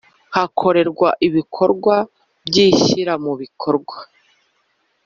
hakorerwa ibikorwa by ishyiramubikorwa